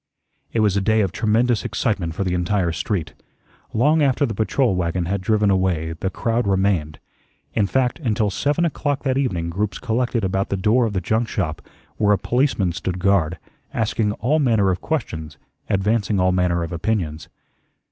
It was a day of tremendous excitement for the entire street. Long after the patrol wagon had driven away, the crowd remained. In fact, until seven o'clock that evening groups collected about the door of the junk shop, where a policeman stood guard, asking all manner of questions, advancing all manner of opinions.